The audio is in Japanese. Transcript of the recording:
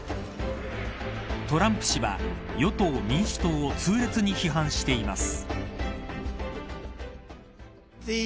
トランプ氏は与党・民主党を痛烈に批判しています。